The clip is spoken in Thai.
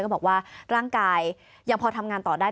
บอกว่าร่างกายยังพอทำงานต่อได้